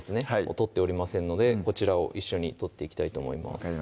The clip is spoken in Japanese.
取っておりませんのでこちらを一緒に取っていきたいと思います